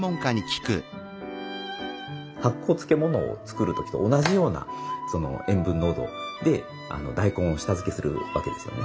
発酵漬物を造る時と同じような塩分濃度で大根を下漬けするわけですよね。